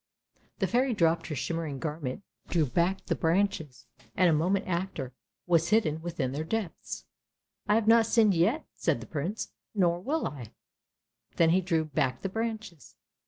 The Fairy dropped her shimmering garment, drew back the branches, and a moment after was hidden within their depths. "I have not sinned yet! " said the Prince, "nor will I," then he drew back the branches.